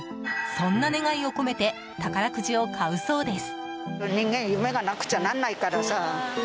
そんな願いを込めて宝くじを買うそうです。